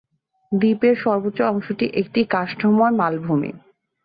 দ্বীপের সর্বোচ্চ অংশটি একটি কাষ্ঠময় মালভূমি।